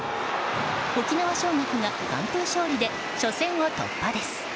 沖縄尚学が完封勝利で初戦を突破です。